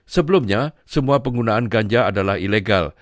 sebelumnya semua penggunaan ganja adalah ilegal